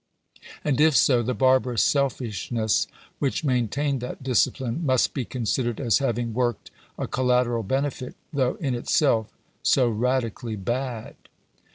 And if so, the barbarous selfishness which maintained that discipline, must be considered as having worked a collateral benefit, though in itself so radi cally bad.